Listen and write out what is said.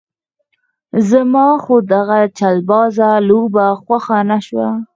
زما خو دغه چلبازه لوبه خوښه نه شوه.